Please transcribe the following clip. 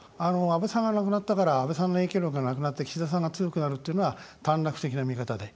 安倍さんが亡くなったから安倍さんの影響力がなくなって岸田さんが強くなるというのは短絡的な見方で。